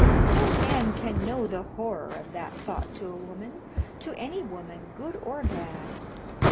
No man can know the horror of that thought to a woman to any woman, good or bad.